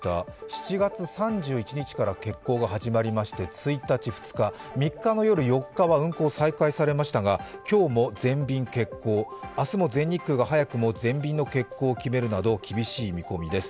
７月３１日から欠航が始まりまして１日、２日、３日夜、４日は運行が再開されましたが、今日も全便欠行明日も全日空が早くも全便の欠航を決めるなど厳しい見込みです。